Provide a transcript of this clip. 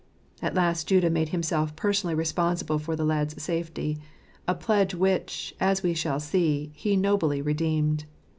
At last Judah made himself personally responsible for the lad's safety, a pledge which, as we shall see, he nobly redeemed.